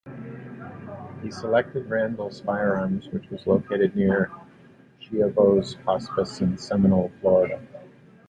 He selected Randall's Firearms, which was located near Schiavo's hospice in Seminole, Florida.